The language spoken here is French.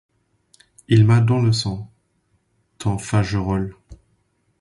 Il m'a dans le sang, ton Fagerolles!».